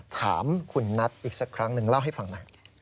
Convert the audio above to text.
ถามคุณนัทอีกสักครั้งหนึ่งเล่าให้ฟังหน่อย